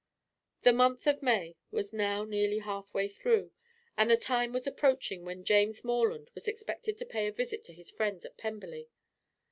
The month of May was now nearly half way through, and the time was approaching when James Morland was expected to pay a visit to his friends at Pemberley.